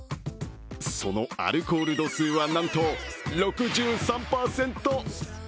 そのアルコール度数はなんと６３％！